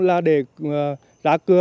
là để ra cưa